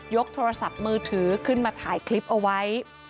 กโทรศัพท์มือถือขึ้นมาถ่ายคลิปเอาไว้